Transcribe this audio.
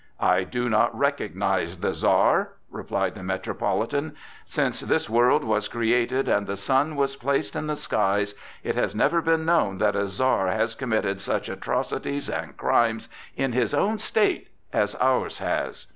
"I do not recognize the Czar!" replied the Metropolitan. "Since this world was created and the sun was placed in the skies, it has never been known that a Czar has committed such atrocities and crimes in his own state as ours has.